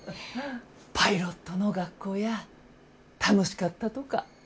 パイロットの学校や楽しかったとか？